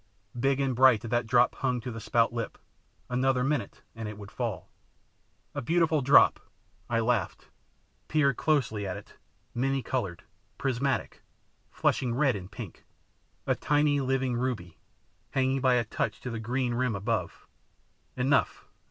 Big and bright that drop hung to the spout lip; another minute and it would fall. A beautiful drop, I laughed, peering closely at it, many coloured, prismatic, flushing red and pink, a tiny living ruby, hanging by a touch to the green rim above; enough!